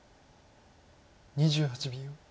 ２８秒。